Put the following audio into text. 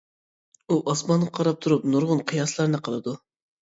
ئۇ ئاسمانغا قاراپ تۇرۇپ نۇرغۇن قىياسلارنى قىلىدۇ.